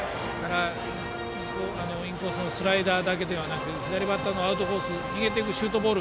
インコースのスライダーだけでなく左バッターのアウトコースに逃げていくシュートボール